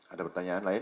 ada pertanyaan lain